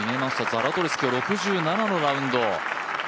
ザラトリス、今日６７のラウンド。